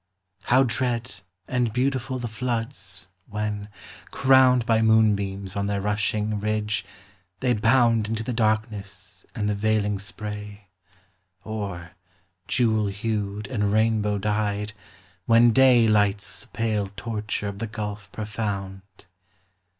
How dread and beautiful the floods, when, crowned By moonbeams on their rushing ridge, they bound Into the darkness and the veiling spray; Or, jewel hued and rainbow dyed, when day Lights the pale torture of the gulf profound!